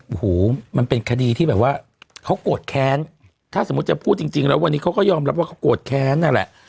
โอ้โหมันเป็นคดีที่แบบว่าเขาโกรธแค้นถ้าสมมุติจะพูดจริงแล้ววันนี้เขาก็ยอมรับว่าเขาโกรธแค้นนั่นแหละ